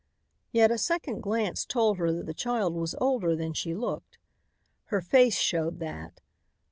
Yet a second glance told her that the child was older than she looked. Her face showed that.